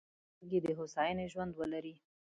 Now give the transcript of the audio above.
چې خلک یې د هوساینې ژوند ولري.